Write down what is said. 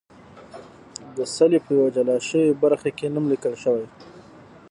د څلي په یوه جلا شوې برخه کې نوم لیکل شوی.